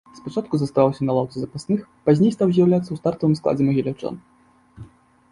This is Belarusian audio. Спачатку заставаўся на лаўцы запасных, пазней стаў з'яўляцца ў стартавым складзе магіляўчан.